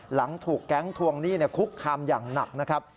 หลังถูกแก๊งทวงหนี้คุกคามอย่างหนักนะครับ